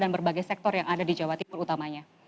dan berbagai sektor yang ada di jawa timur utamanya